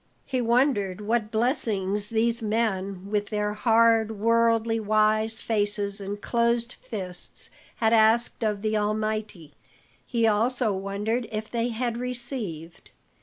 He wondered what blessing these men with their hard, worldly wise faces and closed fists had asked of the Almighty; he also wondered if they had received.